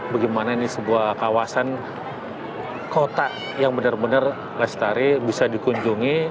bagaimana ini sebuah kawasan kota yang benar benar lestari bisa dikunjungi